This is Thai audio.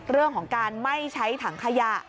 เรื่องของการไม่ใช้ถังขยะ